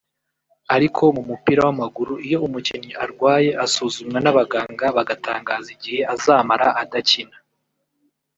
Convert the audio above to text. Ariko mu mupira w’amaguru iyo umukinnyi arwaye asuzumwa n’abaganga bagatangaza igihe azamara adakina